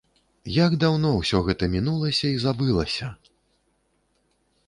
Як даўно ўсё гэта мінулася і забылася!